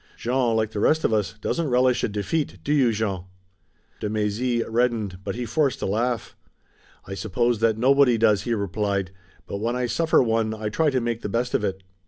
Jean, like the rest of us, doesn't relish a defeat, do you, Jean?" De Mézy reddened, but he forced a laugh. "I suppose that nobody does!" he replied, "but when I suffer one I try to make the best of it."